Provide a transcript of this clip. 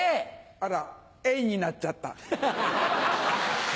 あらエイになっちゃった。